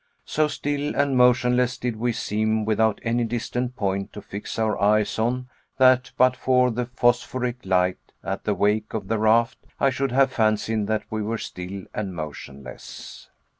So still and motionless did we seem without any distant point to fix our eyes on that but for the phosphoric light at the wake of the raft I should have fancied that we were still and motionless.